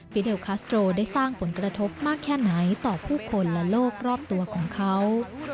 เดลคัสโตรได้สร้างผลกระทบมากแค่ไหนต่อผู้คนและโลกรอบตัวของเขา